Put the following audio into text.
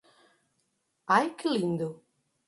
Ai que lindo!